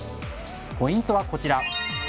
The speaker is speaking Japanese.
ポイントはこちら。